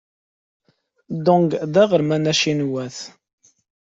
Dong d aɣerman acinwat.